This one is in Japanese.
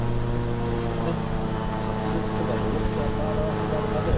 抱負はね。